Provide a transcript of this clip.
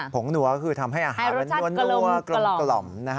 งหนัวคือทำให้อาหารมันนัวกลม